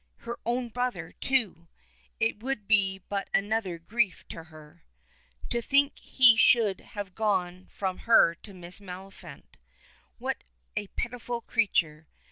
Her own brother, too! It would be but another grief to her. To think he should have gone from her to Miss Maliphant! What a pitiful creature!